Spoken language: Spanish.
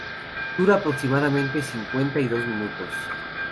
Dura aproximadamente cincuenta y dos minutos.